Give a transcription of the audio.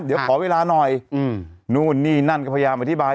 เดี๋ยวขอเวลาหน่อยนู่นนี่นั่นก็พยายามอธิบาย